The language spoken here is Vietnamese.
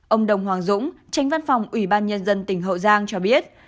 ông đồng hoàng dũng tránh văn phòng ủy ban nhân dân tỉnh hậu giang cho biết